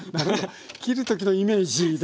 切る時のイメージで今。